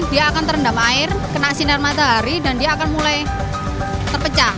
dalam air kena sinar matahari dan dia akan mulai terpecah